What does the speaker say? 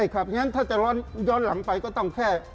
อย่างนั้นถ้าจะย้อนหลังไปก็ต้องแค่